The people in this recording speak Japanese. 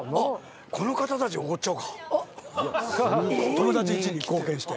友達んちに貢献して。